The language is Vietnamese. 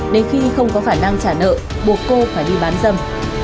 đến khi không có khả năng trả nợ buộc cô phải đi bán dâm